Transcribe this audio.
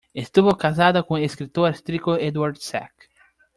Estuvo casada con el escritor austríaco Eduard Zak.